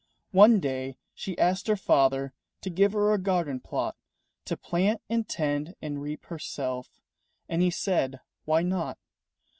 One day she asked her father To give her a garden plot To plant and tend and reap herself, And he said, "Why not?"